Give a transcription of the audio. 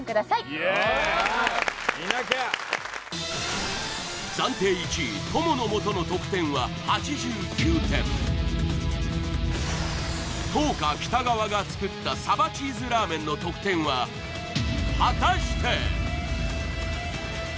イエーイ見なきゃ暫定１位とものもとの得点は８９点灯花北川が作ったサバチーズラーメンの得点は果たして？